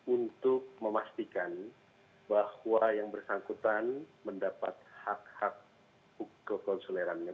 untuk memastikan bahwa yang bersangkutan mendapat hak hak kekonsulerannya